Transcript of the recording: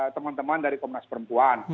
teman teman dari komnas perempuan